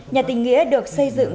nhà tỉnh nghĩa được xây dựng